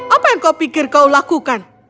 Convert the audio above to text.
apa yang kau pikir kau lakukan